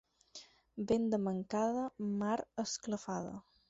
Vent de mancada, mar esclafada.